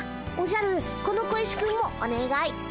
おじゃるこの小石くんもおねがい。